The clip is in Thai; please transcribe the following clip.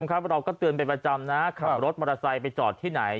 นะครับและเราก็เตือนไปประจำนะฮะคำรถมอเตอร์ไซค์ไปจอดที่ไหน